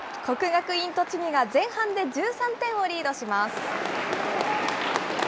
国学院栃木が前半で１３点をリードします。